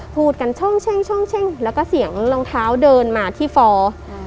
พูดกันช่องเช่งแล้วก็เสียงรองเท้าเดินมาที่ฟอร์